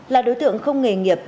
là đối tượng không nghề nghiệp